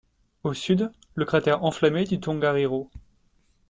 Au sud, le cratère enflammé du Tongariro.